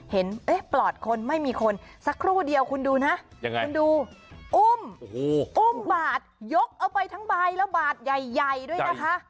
เห็นปลอดคนไม่มีคนสักครู่เดียวคุณดูนะยังไงคุณดูอุ้มอุ้มบาทยกเอาไปทั้งใบแล้วบาทใหญ่ด้วยนะคะ